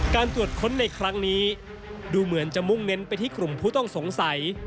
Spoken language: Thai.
การตรวจค้นในครั้งนี้ดูเหมือนจะมุ่งเน้นไปที่กลุ่มผู้ต้องสงสัย